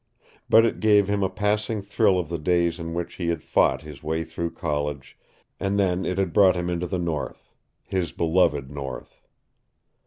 But it gave him a passing thrill of the days in which he had fought his way through college and then it brought him into the North, his beloved North.